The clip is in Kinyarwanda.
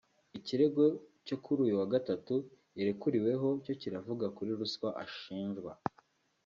Ikirego cyo kuri uyu wa Gatatu yarekuriweho cyo kiravuga kuri ruswa ashinjwa